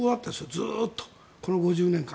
ずっと、この５０年間。